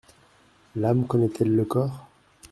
L’âme connaît-elle le corps ?